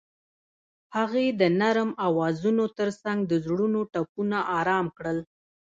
هغې د نرم اوازونو ترڅنګ د زړونو ټپونه آرام کړل.